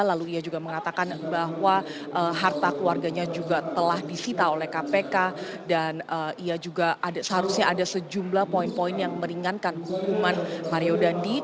lalu ia juga mengatakan bahwa harta keluarganya juga telah disita oleh kpk dan ia juga seharusnya ada sejumlah poin poin yang meringankan hukuman mario dandi